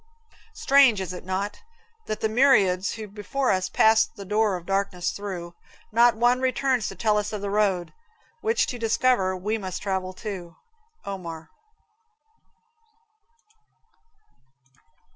Strange is it not? that of the myriads who Before us passed the door of darkness through, Not one returns to tell us of the road, Which to discover, we must travel too? Omar.